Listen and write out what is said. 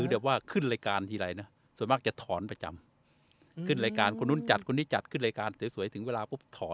พี่ว่าแสนชัยกับเลิศศีระ